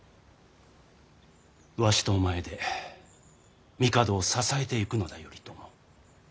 わしとお前で帝を支えていくのだ頼朝。